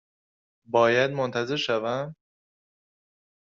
باید منتظر شوم؟